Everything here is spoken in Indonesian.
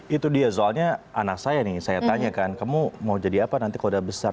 itu dia soalnya anak saya nih saya tanya kan kamu mau jadi apa nanti kalau udah besar